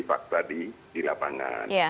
fakta di lapangan